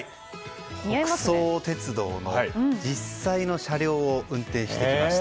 北総鉄道の実際の車両を運転してきました。